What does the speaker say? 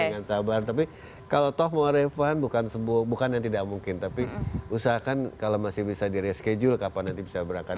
jangan sabar tapi kalau toh mau refund bukan yang tidak mungkin tapi usahakan kalau masih bisa di reschedule kapan nanti bisa berangkat